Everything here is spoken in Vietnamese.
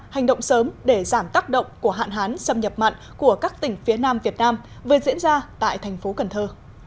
hành động sớm để giảm tác động của hạn hán xâm nhập mặn của các tỉnh phía nam việt nam vừa diễn ra tại thành phố cần thơ